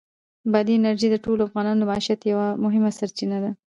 بادي انرژي د ټولو افغانانو د معیشت یوه مهمه سرچینه ده.